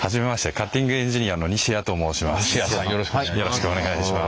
カッティングエンジニアの西谷と申します。